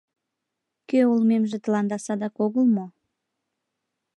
Кӧ улмемже тыланда садак огыл мо?